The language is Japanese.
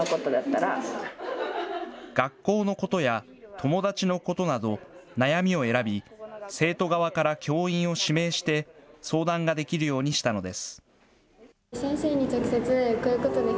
友達のことなど、悩みを選び、生徒側から教員を指名して、相談ができるようにしたのです。